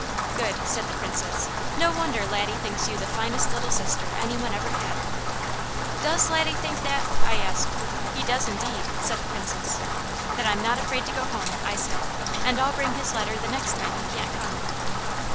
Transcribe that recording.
"Good!" said the Princess. "No wonder Laddie thinks you the finest Little Sister any one ever had." "Does Laddie think that?" I asked "He does indeed!" said the Princess. "Then I'm not afraid to go home," I said. "And I'll bring his letter the next time he can't come."